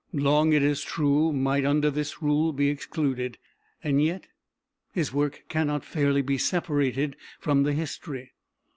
Long, it is true, might under this rule be excluded; yet his work cannot fairly be separated from the history.